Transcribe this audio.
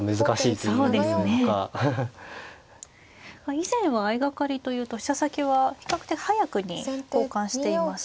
以前は相掛かりというと飛車先は比較的早くに交換していましたが。